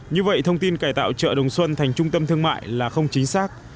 như vậy thông tin cải tạo chợ đồng xuân thành trung tâm thương mại là không chính xác